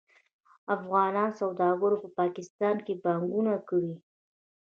افغان سوداګرو په پاکستان پانګونه کړې.